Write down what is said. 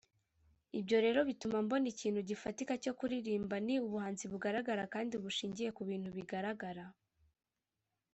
Ibyo rero bituma mbona ikintu gifatika cyo kuririmba ni ubuhanzi bugaragara kandi bushingiye ku bintu bigaragara